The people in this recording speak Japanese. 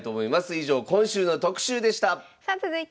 以上今週の特集でした。